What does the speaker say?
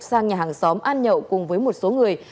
sang nhà hàng xóm ăn nhậu cùng với một số người